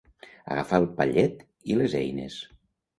Agafar el pallet i les eines.